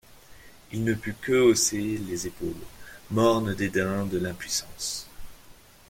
Il ne put que hausser les épaules ; morne dédain de l’impuissance.